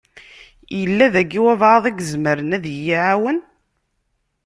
Yella daki walebɛaḍ i izemren ad yi-iɛawen?